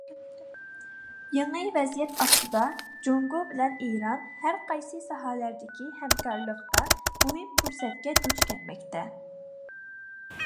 يېڭى ۋەزىيەت ئاستىدا، جۇڭگو بىلەن ئىران ھەرقايسى ساھەلەردىكى ھەمكارلىقتا مۇھىم پۇرسەتكە دۇچ كەلمەكتە.